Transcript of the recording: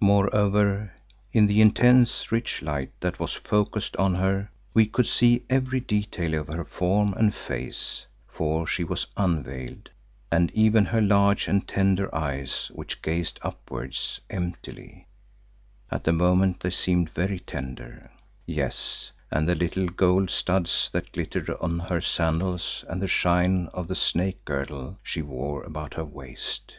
Moreover, in the intense, rich light that was focussed on her, we could see every detail of her form and face, for she was unveiled, and even her large and tender eyes which gazed upwards emptily (at this moment they seemed very tender), yes, and the little gold studs that glittered on her sandals and the shine of the snake girdle she wore about her waist.